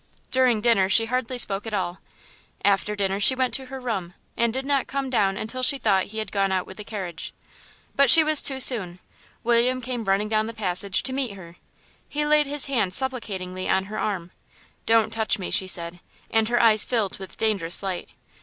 During dinner she hardly spoke at all. After dinner she went to her room, and did not come down until she thought he had gone out with the carriage. But she was too soon, William came running down the passage to meet her. He laid his hand supplicatingly on her arm. "Don't touch me!" she said, and her eyes filled with dangerous light.